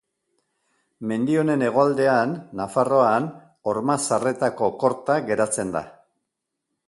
Mendi honen hegoaldean, Nafarroan, Ormazarretako korta geratzen da.